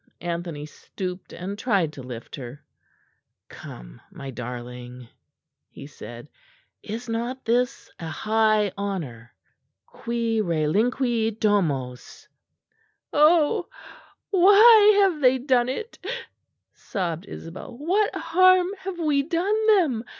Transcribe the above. Anthony stooped and tried to lift her. "Come, my darling," he said, "is not this a high honour? Qui relinquit domos!" "Oh! why have they done it?" sobbed Isabel. "What harm have we done them?"